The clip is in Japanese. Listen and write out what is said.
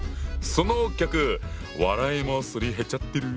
そのギャグ笑いもすり減っちゃってる？